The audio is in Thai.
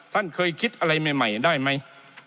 ท่านเคยคิดอะไรใหม่ได้ไหม